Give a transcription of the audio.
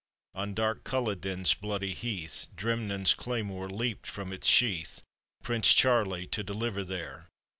On dark Culloden's bloody heath Drirnnin's claymore leaped from its sheath. Prince Charlie to deliver there!